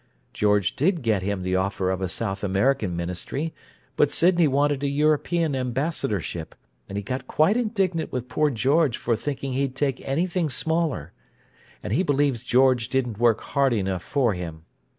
George did get him the offer of a South American ministry, but Sydney wanted a European ambassadorship, and he got quite indignant with poor George for thinking he'd take anything smaller—and he believes George didn't work hard enough for him.